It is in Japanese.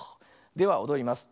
ではおどります。